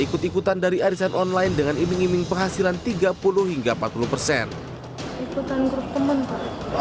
ikut ikutan dari arisan online dengan iming iming penghasilan tiga puluh hingga empat puluh persen ikutan grup teman